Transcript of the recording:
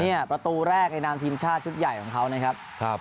ประตูแรกในนามทีมชาติชุดใหญ่ของเขานะครับ